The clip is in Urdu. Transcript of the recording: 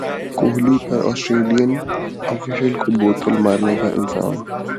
کوہلی پر اسٹریلین افیشل کو بوتل مارنے کا الزام